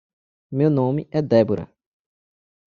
Meu nome é Deborah.